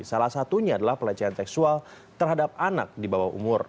salah satunya adalah pelecehan seksual terhadap anak di bawah umur